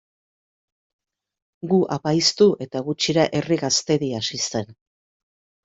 Gu apaiztu eta gutxira Herri Gaztedi hasi zen.